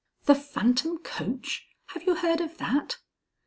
"The phantom coach! Have you heard of that?"